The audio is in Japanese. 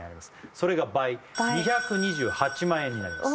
それが倍２２８万円になります